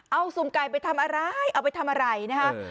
เอาสุ่มไก่ไปทำอะไรเอาไปทำอะไรนะคะ